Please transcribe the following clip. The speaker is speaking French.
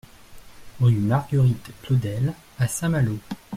Rue Marguerite Claudel à Saint-Malo